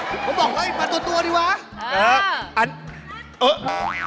ผมบอกว่ามาตัวดีกว่า